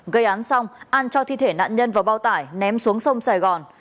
gây án xong an cho thi thể nạn nhân vào bao tải ném xuống sông sài gòn